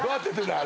あれ！